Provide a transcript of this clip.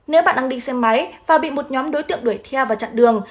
nếu bạn đang đi xe máy và bị một nhóm đối tượng đuổi theo và chặn đường